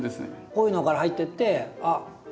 こういうのから入ってってあっ